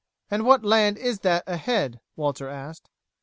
"And what land is that ahead?" Walter asked.